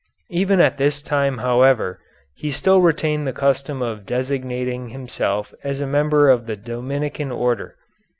Even at this time however, he still retained the custom of designating himself as a member of the Dominican Order.